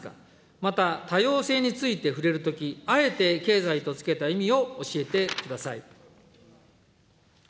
また、多様性について触れるとき、あえて経済とつけた意味を教えてください。